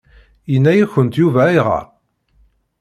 Yenna-yakent Yuba ayɣer?